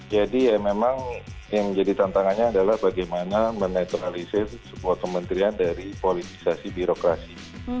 jadi ya memang yang menjadi tantangannya adalah bagaimana menetralisir sebuah kementerian dari politisasi birokrasi